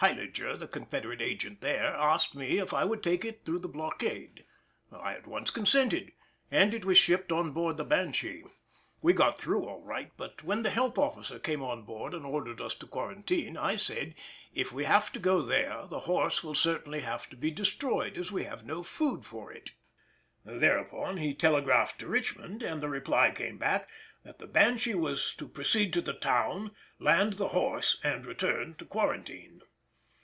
Heiliger, the Confederate Agent there, asked me if I would take it in through the blockade. I at once consented, and it was shipped on board the Banshee. We got through all right, but when the health officer came on board and ordered us to quarantine, I said: "If we have to go there, the horse will certainly have to be destroyed, as we have no food for it." Thereupon he telegraphed to Richmond, and the reply came back that the Banshee was to proceed to the town, land the horse, and return to quarantine.